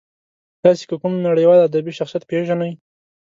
تاسې که کوم نړیوال ادبي شخصیت پېژنئ.